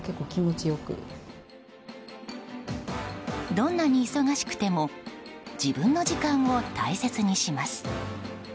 どんなに忙しくても自分の時間を大切にします。